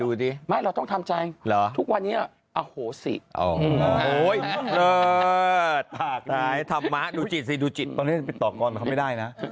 ดูดิไม่เราต้องทำใจแล้วทุกวันเนี่ยอ้าวโหสิอ้าวโหสิดูจิตต่อก่อนไม่ได้นะ